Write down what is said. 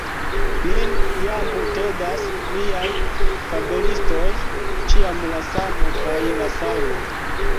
Min jam tedas miaj fabelistoj, ĉiam la samo kaj la samo.